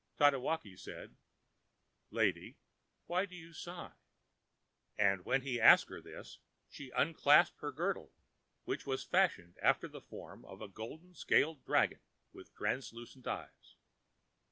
Tatewaki said, ãLady, why do you sigh?ã And when he asked her this, she unclasped her girdle, which was fashioned after the form of a golden scaled dragon with translucent eyes.